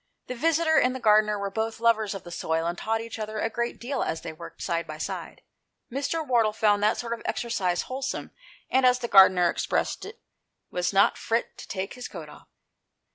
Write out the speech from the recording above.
The visitor and the gardener were both lovers of the soil, and taught each other a great deal as they worked side by side. Mr. Wardle found that sort of exercise wholesome, and, as the gardener expressed it, " was not frit to take his coat off."